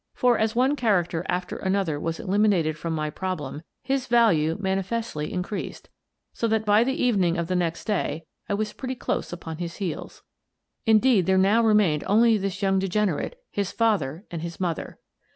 For, as one character after another was eliminated from my problem, his value manifestly increased, so that by the evening of the next day I was pretty close upon his heels. Indeed, there now remained only this young degenerate, his father, and his mother.